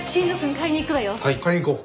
買いに行こう。